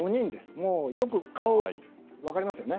もう顔、分かりますよね。